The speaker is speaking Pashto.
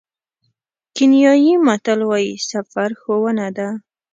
کینیايي متل وایي سفر ښوونه ده.